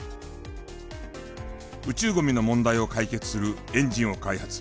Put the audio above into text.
宇宙ゴミの問題を解決するエンジンを開発。